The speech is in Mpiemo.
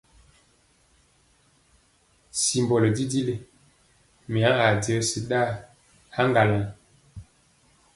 Simbɔlɔ jijili, mya aa jɔsi ɗaa haŋgalaŋ.